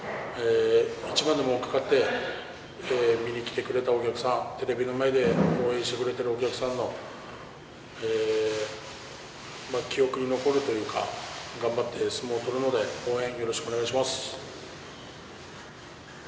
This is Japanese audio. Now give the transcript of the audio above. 一番でも勝って見に来てくれたお客さんテレビの前で応援してくれているお客さんの記憶に残るというか頑張って相撲を取るので応援、よろしくお願いします。